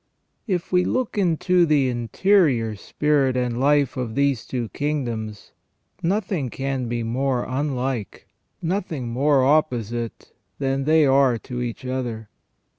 If we look into the interior spirit and life of these two kingdoms, nothing can be more unlike, nothing more opposite, than they are to each other.